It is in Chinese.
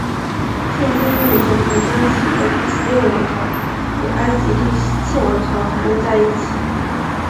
现今人们常将其和第十六王朝与埃及第十七王朝谈论在一起。